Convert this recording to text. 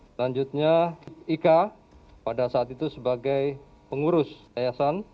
selanjutnya ika pada saat itu sebagai pengurus yayasan